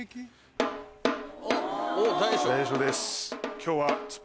今日は。